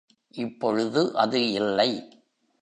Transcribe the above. இப்பொழுது அது இல்லை.